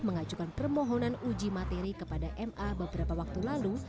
mengajukan permohonan uji materi kepada ma beberapa waktu lalu